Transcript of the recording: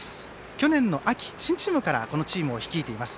去年の秋、新チームからこのチームを率いています。